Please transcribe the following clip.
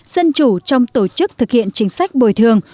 dân chủ trong tổ chức thực hiện chính sách bồi thường